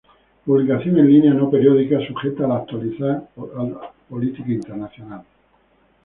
Publicación en línea no periódica, sujeta a la actualidad política internacional.